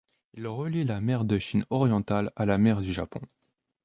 Il relie la mer de Chine orientale à la mer du Japon.